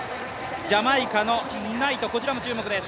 ジャマイカのナイト、こちらも注目です。